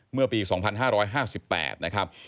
เมื่อปี๒๕๕๘นะครับ